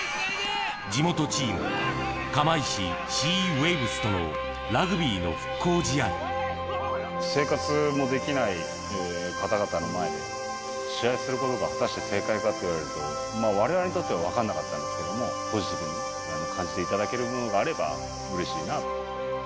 地元チーム、釜石シーウェイ生活もできない方々の前で、試合することが果たして、正解かといわれると、われわれにとっては分かんなかったんですけど、ポジティブに感じていただけるものがあればうれしいなと。